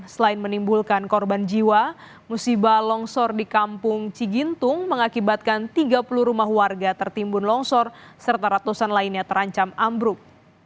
selain menimbulkan korban jiwa musibah longsor di kampung cigintung mengakibatkan tiga puluh rumah warga tertimbun longsor serta ratusan lainnya terancam ambruk